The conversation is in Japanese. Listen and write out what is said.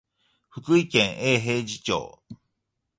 福井県永平寺町